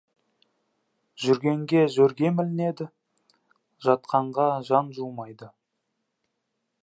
Жүргенге жөргем ілінеді, жатқанға жан жуымайды.